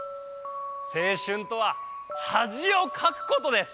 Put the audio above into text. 青春とははじをかくことです。